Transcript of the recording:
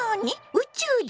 宇宙人？